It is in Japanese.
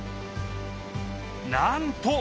なんと！